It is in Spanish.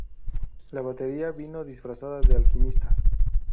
La batería vino disfrazada de alquimista.